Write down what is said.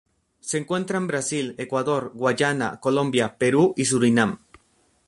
Se encuentra en Brasil, Ecuador, Guayana, Colombia, Perú y Surinam.